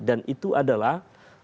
dan itu adalah